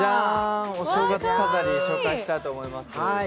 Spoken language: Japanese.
お正月飾り、紹介したいと思います。